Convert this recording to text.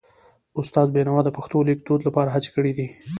استاد بینوا د پښتو لیکدود لپاره هڅې کړې دي.